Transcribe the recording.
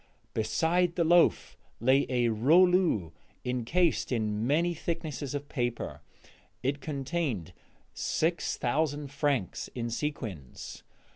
Beside the loaf lay a rouleau incased in many thicknesses of paper; it contained six thousand francs in sequins.